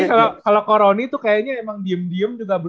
engga tapi kalau koroni tuh kayaknya emang diem diem juga